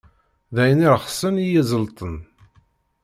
D ayen iṛexsen i yeẓellṭen.